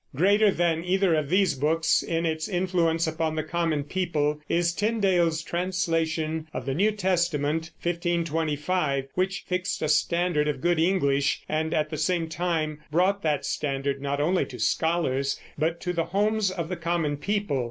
Greater than either of these books, in its influence upon the common people, is Tyndale's translation of the New Testament (1525), which fixed a standard of good English, and at the same time brought that standard not only to scholars but to the homes of the common people.